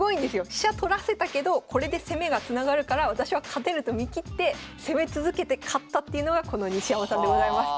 飛車取らせたけどこれで攻めがつながるから私は勝てると見切って攻め続けて勝ったっていうのがこの西山さんでございます。